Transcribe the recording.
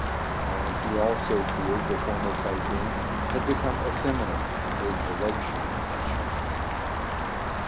And he also feared the former Tai ping had become effeminate amid the luxury at Shang hai.